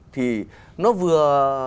thì nó vừa